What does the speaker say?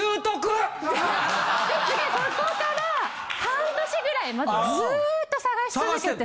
そこから半年ぐらいずっと探し続けて。